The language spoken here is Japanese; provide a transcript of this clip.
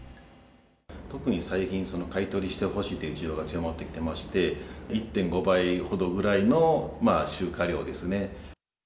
特に最近、買い取りしてほしいという需要が強まってきてまして、１．５倍ほどぐらいの集荷量ですね。